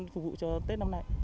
phục vụ cho tết năm nay